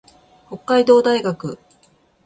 北海道大学